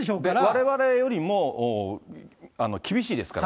われわれよりも厳しいですから。